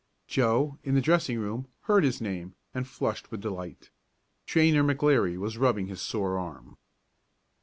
Joe, in the dressing room, heard his name, and flushed with delight. Trainer McLeary was rubbing his sore arm.